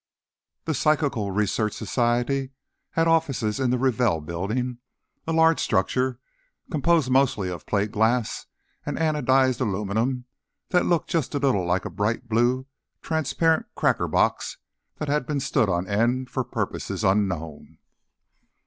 The Psychical Research Society had offices in the Ravell Building, a large structure composed mostly of plate glass and anodized aluminum that looked just a little like a bright blue transparent crackerbox that had been stood on end for purposes unknown.